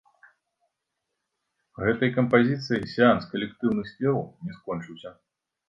Гэтай кампазіцыяй сеанс калектыўных спеваў не скончыўся.